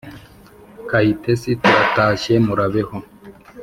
kayitesi: turatashye, murabeho!